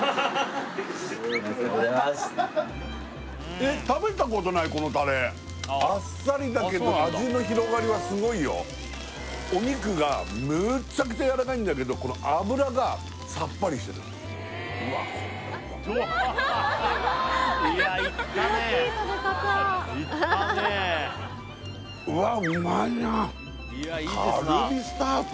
えっ食べたことないこのタレあっさりだけど味の広がりはすごいよお肉がむちゃくちゃやわらかいんだけど脂がさっぱりしてるうわっカルビスタート